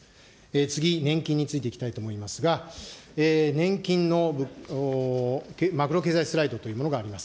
次、年金についていきたいと思いますが、年金のマクロ経済スライドというものがあります。